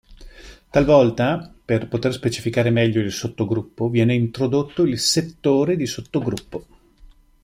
Talvolta, per poter specificare meglio il sottogruppo, viene introdotto il settore di sottogruppo.